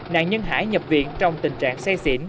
nạn nhân hải nhập viện trong tình trạng say xỉn